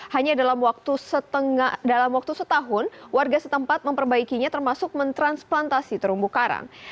hanya dalam waktu setahun warga setempat memperbaikinya termasuk mentransplantasi terumbu karang